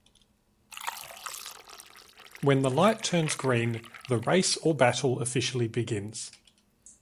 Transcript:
When the light turns green, the race or battle officially begins.